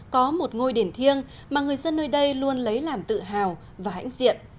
có một ngôi đền thiêng mà người dân nơi đây luôn lấy làm tự hào và hãnh diện